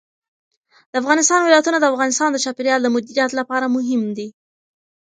د افغانستان ولايتونه د افغانستان د چاپیریال د مدیریت لپاره مهم دي.